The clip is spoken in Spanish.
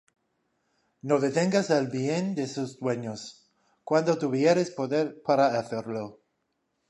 No detengas el bien de sus dueños, Cuando tuvieres poder para hacerlo.